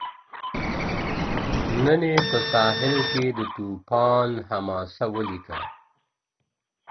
نن یې په ساحل کي د توپان حماسه ولیکه.